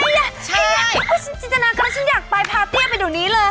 ไอ้เหี้ยก็ชีนจิจนาการฉันอยากไปพาเธอไปดูนี้เลย